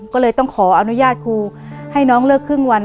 ก็เลยต้องขออนุญาตครูให้น้องเลิกครึ่งวัน